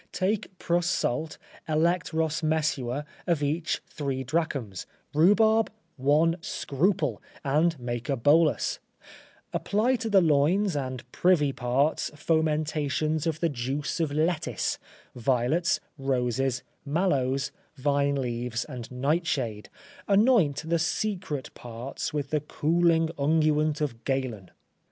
Take prus. salt, elect. ros. mesua, of each three drachms, rhubarb one scruple, and make a bolus; apply to the loins and privy parts fomentations of the juice of lettuce, violets, roses, malloes, vine leaves and nightshade; anoint the secret parts with the cooling unguent of Galen.